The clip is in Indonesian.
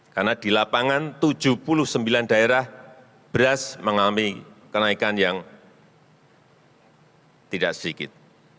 karena di lapangan tujuh puluh sembilan daerah beras mengalami kenaikan yang tidak sedikit